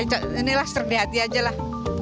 ya pokoknya inilah serbi hati aja lah